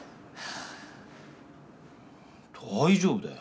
大丈夫だよ。